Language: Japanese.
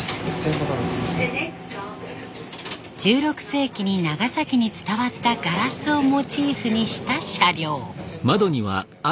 １６世紀に長崎に伝わったガラスをモチーフにした車両。